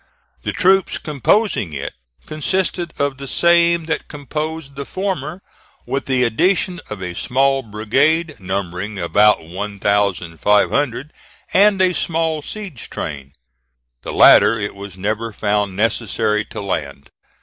The troops composing it consisted of the same that composed the former, with the addition of a small brigade, numbering about one thousand five hundred, and a small siege train. The latter it was never found necessary to land.